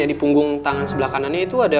di punggung tangan sebelah kanannya itu ada